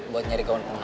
buat nyari gaun pengantin